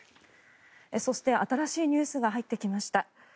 そして、新しいニュースが入ってきました。